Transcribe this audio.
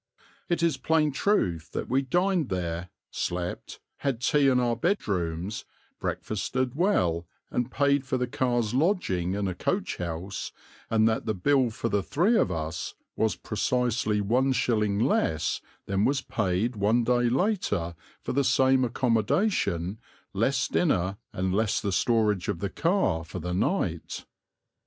It is plain truth that we dined there, slept, had tea in our bedrooms, breakfasted well, and paid for the car's lodging in a coach house, and that the bill for three of us was precisely one shilling less than was paid one day later for the same accommodation less dinner, and less the storage of the car for the night.